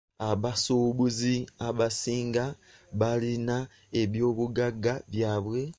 Abasuubuzi abasinga balina ebyobugagga byabwe.